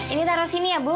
ini taruh sini ya bu